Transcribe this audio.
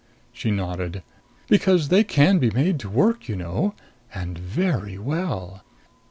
She nodded. "Because they can be made to work, you know. And very well!"